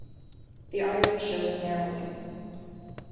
The artery shows narrowing.